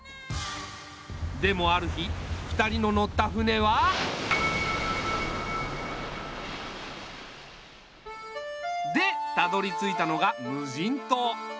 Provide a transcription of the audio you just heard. でもある日２人の乗った船は。でたどりついたのが無人島。